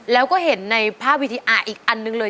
แล้วก็เห็นในภาพวิทยาอีกอันหนึ่งเลย